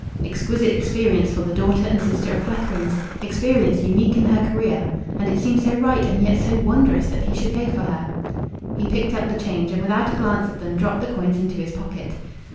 Exquisite experience for the daughter and sister of Fleckrings! Experience unique in her career! And it seemed so right and yet so wondrous, that he should pay for her!... He picked up the change, and without a glance at them dropped the coins into his pocket.